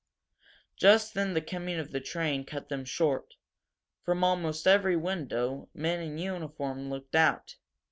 Just then the coming of the train cut them short. From almost every window men in uniform looked out.